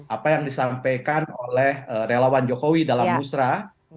apa yang disampaikan oleh relawan jokowi dalam musrah